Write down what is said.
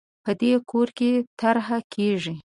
په دې کور کې طرحه کېږي